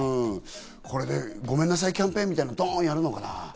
これ、ごめんなさいキャンペーンみたいなのドンとやるのかな？